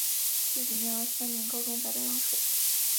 自己念了三年高中白白浪费